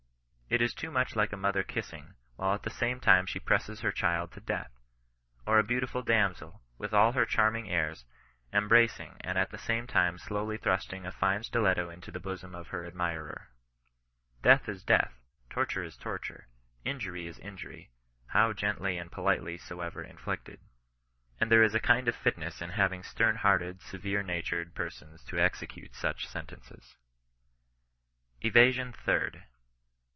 It is too much like a mother kissinff, while at the same time she presses her child to death; or a beautiful damsel, with all her charming airs, embracing, and at the same time idowly Ik 26 OHBISTIAK NON BESISTANGE. thrusting a fine stiletfco into the bosom of her admirer. Death is death, torture is torture, injury is injury, how gently and politely soever inflicted. And there is a kind of fitness in having stem hearted, severe natured per sons to execute such sentences. ETASION THIBD.